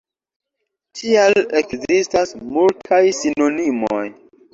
Tial ekzistas multaj sinonimoj.